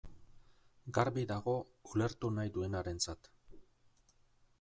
Garbi dago, ulertu nahi duenarentzat.